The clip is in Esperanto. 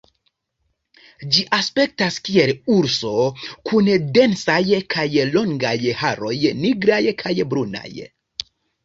Ĝi aspektas kiel urso, kun densaj kaj longaj haroj nigraj kaj brunaj.